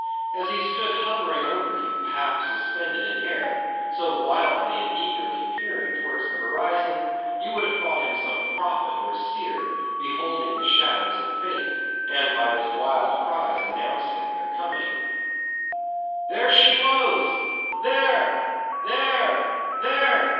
As he stood hovering over you half suspended in air, so wildly and eagerly peering towards the horizon, you would have thought him some prophet or seer beholding the shadows of Fate, and by those wild cries announcing their coming. "There she blows! there! there! there!